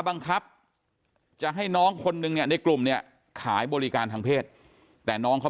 บังคับจะให้น้องคนนึงเนี่ยในกลุ่มเนี่ยขายบริการทางเพศแต่น้องเขา